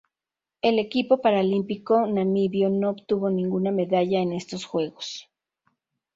El equipo paralímpico namibio no obtuvo ninguna medalla en estos Juegos.